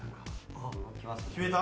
決めた？